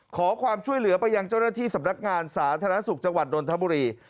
ขอความช่วยเหลือไปยังเจ้าหน้าที่สำนักงานสาธารณสุขจังหวัดนทบุรี